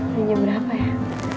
pernah jam berapa ya